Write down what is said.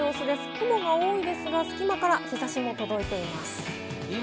雲が多いですが、隙間から日差しもこぼれています。